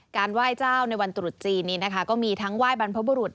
ไหว้เจ้าในวันตรุษจีนนี้นะคะก็มีทั้งไหว้บรรพบุรุษ